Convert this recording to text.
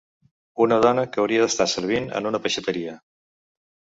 Una dona que hauria d’estar servint en una peixateria